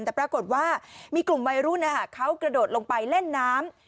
แต่ปรากฏว่ามีกลุ่มวัยรุ่นเขากระโดดลงไปเล่นน้ำ